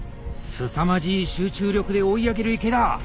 すさまじい集中力で追い上げる池田。